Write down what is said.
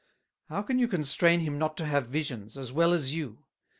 How can you constrain him not to have Visions, as well as you?